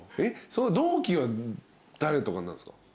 同期は誰とかになるんですか？